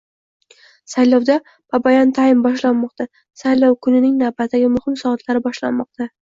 Saylovda "Babayan Time" boshlanmoqda Saylov kunining navbatdagi muhim soatlari boshlanmoqda